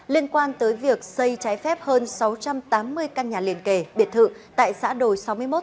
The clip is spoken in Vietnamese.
liên quan tới việc xây trái phép hơn sáu trăm tám mươi căn nhà liền kể biệt thự tại xã đồi